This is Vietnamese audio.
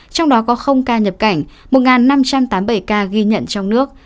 trong đó có ca nhập cảnh một năm trăm tám mươi bảy ca ghi nhận trong nước